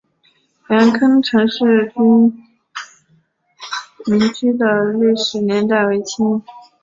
元坑陈氏民居的历史年代为清。